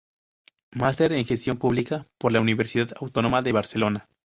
Master en Gestión Pública por la Universidad Autónoma de Barcelona.